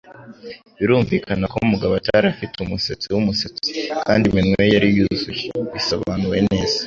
Birumvikana ko Mugabo atari afite umusatsi wumusatsi, kandi iminwa ye yari yuzuye - bisobanuwe neza.